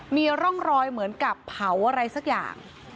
มีร่องรอยเหมือนกับเผาอะไรสักอย่าง